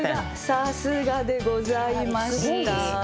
さすがでございました！